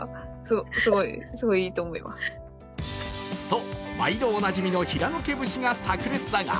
と毎度おなじみの平野家節がさく裂だが、